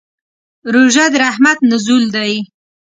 روژه د رحمت نزول دی.